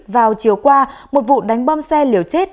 vào chiều qua một vụ đánh bom xe liều chết đã xảy ra